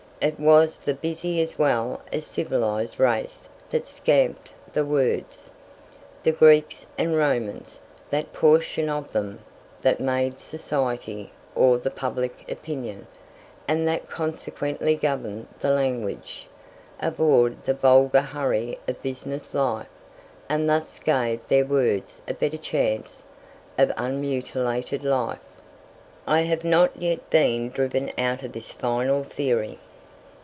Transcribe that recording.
It was the busy as well as civilized race that scamped the words. The Greeks and Romans that portion of them that made society or the public opinion, and that consequently governed the language abhorred the vulgar hurry of business life, and thus gave their words a better chance of unmutilated life. I have not yet been driven out of this final theory.